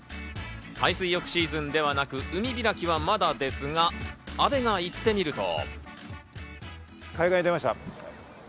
海水浴シーズンではなく、海開きはまだですが、阿部が行ってみると。